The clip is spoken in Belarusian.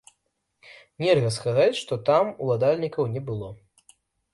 Нельга сказаць, што там уладальнікаў не было.